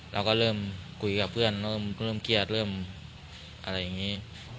เราก็เริ่มคุยกับเพื่อนเริ่มเครียดเริ่มอะไรอย่างนี้